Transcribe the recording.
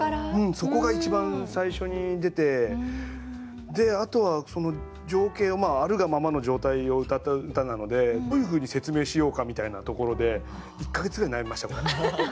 そこが一番最初に出てあとはその情景をあるがままの状態をうたった歌なのでどういうふうに説明しようかみたいなところで１か月ぐらい悩みましたこれ。